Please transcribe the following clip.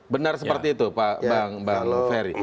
benar seperti itu pak bang ferry